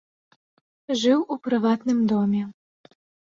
Жыў у прыватным доме.